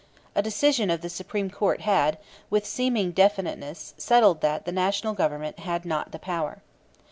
A decision of the Supreme Court had, with seeming definiteness, settled that the National Government had not the power.